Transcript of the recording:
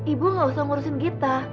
ibu gak usah ngurusin kita